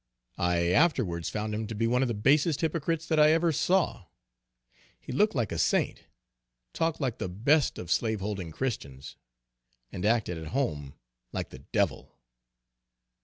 I afterwards found him to be one of the basest hypocrites that I ever saw. He looked like a saint talked like the best of slave holding Christians, and acted at home like the devil.